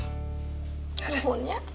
nih hon ya